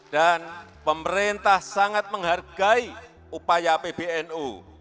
dan pemerintah sangat menghargai upaya pbnu